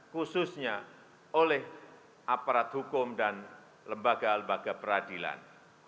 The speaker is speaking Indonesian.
khususnya oleh aparat hukum dan lembaga lembaga peradilan